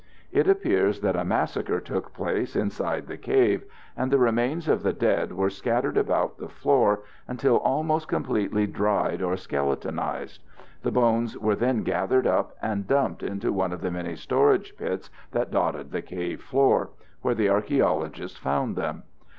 It appears that a massacre took place inside the cave and the remains of the dead were scattered about the floor until almost completely dried or skeletonized. The bones were then gathered up and dumped into one of the many storage pits that dotted the cave floor, where the archeologists found them.